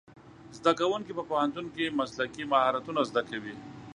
زدهکوونکي په پوهنتون کې مسلکي مهارتونه زده کوي.